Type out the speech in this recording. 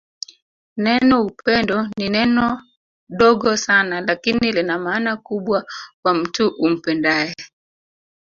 Neno upendo ni neno dogo Sana lakini Lina maana kubwa kwa mtu umpendae